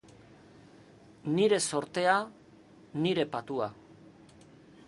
Nire zortea, nire patua.